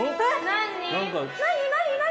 何？